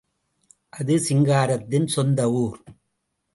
அது சிங்காரத்தின் சொந்த ஊர்.